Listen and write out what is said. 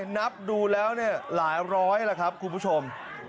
นับดูแล้วเนี่ยหลายร้อยแล้วครับคุณผู้ชม